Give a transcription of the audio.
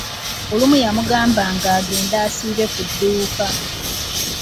Olumu yamugambanga agende asiibe ku dduuka.